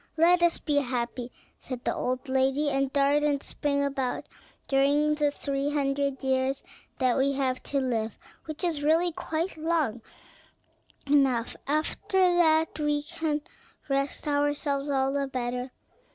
"Let us be happy," said the old lady, "and dart and spring about during the three hundred years that we have to live, which is really quite long enough; after that we can rest ourselves all the better.